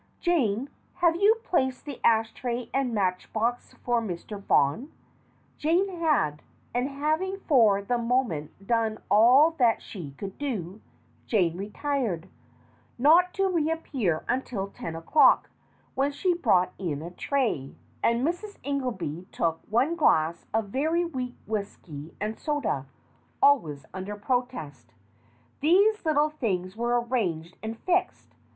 "Jane, have you placed the ash tray and match box for Mr. Vaughan ?" Jane had, and having for the mo ment done all that she could do, Jane retired, not to reappear until ten o'clock, when she brought in a tray, and Mrs. Ingelby took one glass of very weak whisky and soda, always under protest. These little things were arranged and fixed.